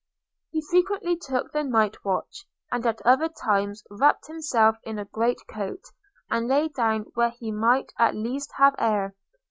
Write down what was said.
He frequently took the night watch; and at other times wrapped himself in a great coat, and lay down where he might at least have air.